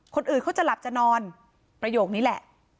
คนอื่นเขาจะหลับจะนอนประโยคนี้แหละ